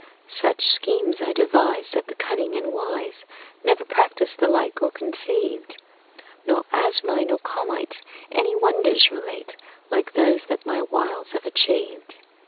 Such schemes I devise That the cunning and wise Never practiced the like or conceived; Nor Asmai nor Komait Any wonders relate Like those that my wiles have achieved.